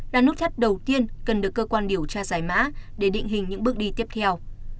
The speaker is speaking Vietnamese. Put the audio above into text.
là nút thắt đầu tiên cần được cơ quan điều tra giải mã để định hình những bước đi tiếp theo